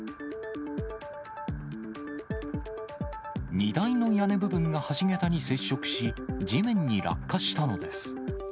荷台の屋根部分が橋桁に接触し、地面に落下したのです。